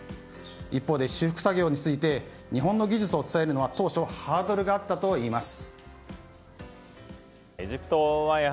一方で修復作業について日本の技術を伝えるのは当初ハードルがあったといいます。